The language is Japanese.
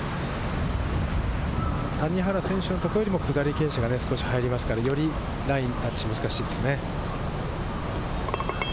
谷原選手のところよりも下り傾斜が少し入りますから、よりライン、タッチが難しいですね。